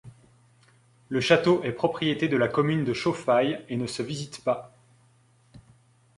Le château est propriété de la commune de Chauffailles et ne se visite pas.